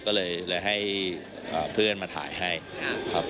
ก็เลยให้เพื่อนมาถ่ายให้ครับ